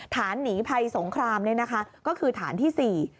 ฐานหนีภัยสงครามก็คือฐานที่๔